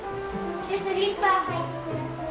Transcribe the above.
スリッパを履いて下さい。